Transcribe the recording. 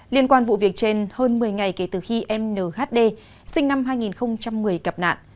liên quan vụ việc trên hơn một mươi ngày kể từ khi em nhd sinh năm hai nghìn một mươi gặp nạn